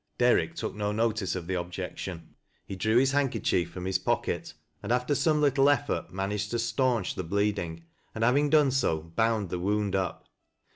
Derrick took no notice of the objection. He drew hie handkerchief from his pocket, and, after some little effurt, managed to stanch tl:e bleeding, and having done so.. bound the wound up.